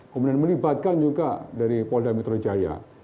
kemudian melibatkan juga dari polda mitrojaya